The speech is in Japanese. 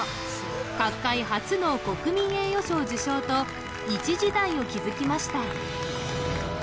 角界初の国民栄誉賞受賞と一時代を築きました